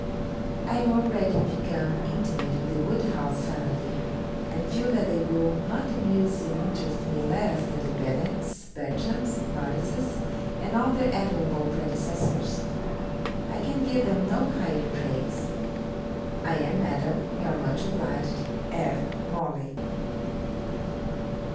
I am already become intimate with the Woodhouse family, and feel that they will not amuse and interest me less than the Bennetts, Bertrams, Norrises, and all their admirable predecessors. I can give them no higher praise. 'I am, Madam, your much obliged 'F. MORLEY.'